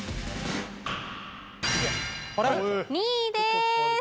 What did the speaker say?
２位です